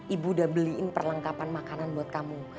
ibu udah beliin perlengkapan makanan buat kamu